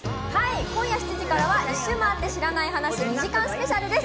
今夜７時からは『１周回って知らない話』２時間スペシャルです。